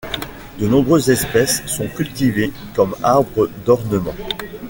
De nombreuses espèces sont cultivées comme arbres d'ornement.